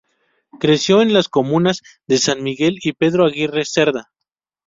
Creció en las Comunas de San Miguel y Pedro Aguirre Cerda.